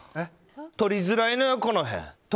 とりづらいのよ、この辺。